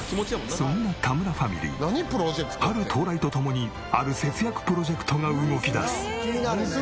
そんな田村ファミリー春到来とともにある節約プロジェクトが動き出す。